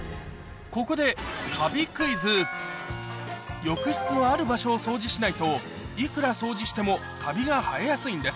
ここで浴室のある場所を掃除しないといくら掃除してもカビが生えやすいんです